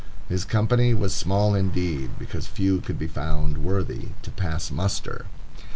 His company was small indeed, because few could be found worthy to pass muster.